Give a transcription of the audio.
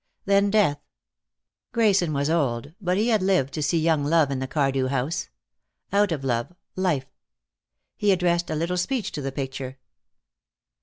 Then death. Grayson was old, but he had lived to see young love in the Cardew house. Out of love, life. He addressed a little speech to the picture.